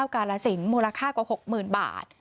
กาลสินมูลค่ากว่า๖๐๐๐บาท